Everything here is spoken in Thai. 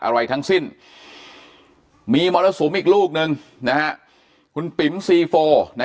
อะไรทั้งสิ้นมีมอเตอร์สูมอีกลูกนึงนะคุณปิ๋มซีโฟล์นะ